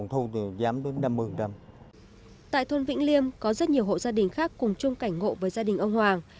tại thôn vĩnh liêm có rất nhiều hộ gia đình khác cùng chung cảnh ngộ với gia đình ông hoàng